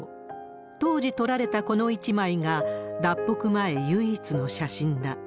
当時撮られたこの１枚が、脱北前、唯一の写真だ。